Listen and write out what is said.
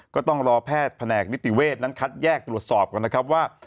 ก็ต้องรอแพทย์แผนกนิติเวศนั้นคัดแยกตรวจสอบกันนะครับว่า